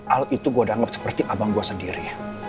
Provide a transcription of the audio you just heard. al itu gue udah anggap seperti abang gue sendiri